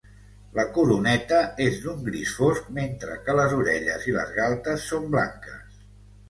La coroneta és d'un gris fosc, mentre que les orelles i les galtes són blanques.